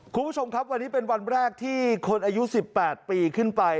คุณผู้ชมครับวันนี้เป็นวันแรกที่คนอายุ๑๘ปีขึ้นไป